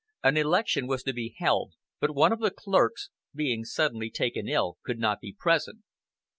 An election was to be held, but one of the clerks, being taken suddenly ill, could not be present.